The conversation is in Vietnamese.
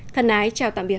thân ái chào tạm biệt